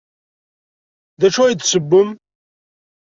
D acu ay d-tessewwem?